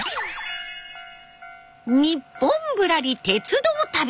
「ニッポンぶらり鉄道旅」。